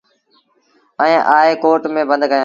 ائيٚݩ آئي ڪوٽ ميݩ بند ڪيآݩدي۔